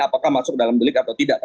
apakah masuk dalam delik atau tidak